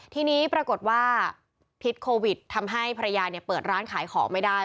ทีนี้ปรากฏว่าพิษโควิดทำให้ภรรยาเปิดร้านขายของไม่ได้